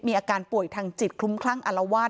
มีอาการป่วยทางจิตคลุ้มคลั่งอารวาส